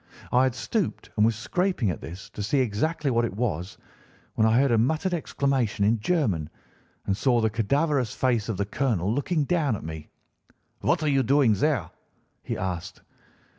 I had stooped and was scraping at this to see exactly what it was when I heard a muttered exclamation in German and saw the cadaverous face of the colonel looking down at me. "'What are you doing there?' he asked.